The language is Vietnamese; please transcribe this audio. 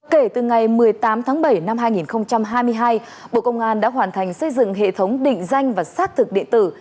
kể từ ngày một mươi tám tháng bảy năm hai nghìn hai mươi hai bộ công an đã hoàn thành xây dựng hệ thống định danh và xác thực điện tử